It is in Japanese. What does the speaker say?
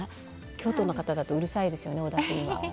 京都の方だとうるさいですよねおだしとか。